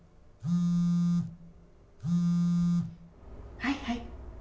はい、はい。